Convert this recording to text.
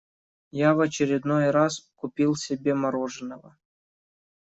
Я в очередной раз купил себе мороженного.